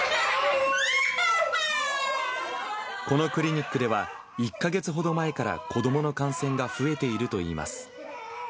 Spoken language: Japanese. このクリニックでは１か月ほど前から子どもの感染が増えているといいます。